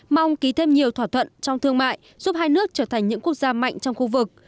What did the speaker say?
mong ký thêm nhiều thỏa thuận trong thương mại giúp hai nước trở thành những quốc gia mạnh trong khu vực